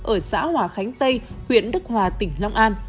ở xã hòa khánh tây huyện đức hòa tỉnh long an